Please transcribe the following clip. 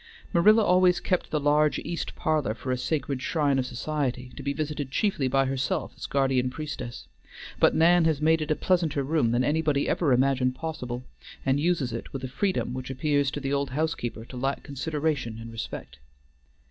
Marilla always kept the large east parlor for a sacred shrine of society, to be visited chiefly by herself as guardian priestess; but Nan has made it a pleasanter room than anybody ever imagined possible, and uses it with a freedom which appears to the old housekeeper to lack consideration and respect.